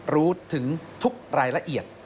รู้ถึงทุกรายละเอียด